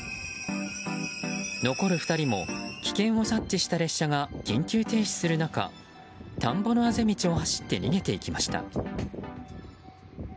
残る２人も危険を察知した列車が緊急停止する中田んぼのあぜ道を走って逃げていきました。